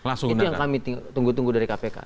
itu yang kami tunggu tunggu dari kpk